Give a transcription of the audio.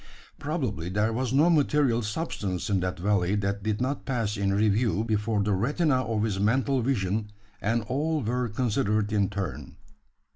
Probably, there was no material substance in that valley that did not pass in review before the retina of his mental vision; and all were considered in turn.